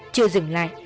chưa dừng lại